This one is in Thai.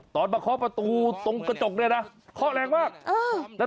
ตอนมาเคาะประตูตรงกระจกเนี่ยนะเคาะแรงมาก